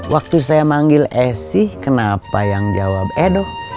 waktu saya manggil esi kenapa yang jawab edo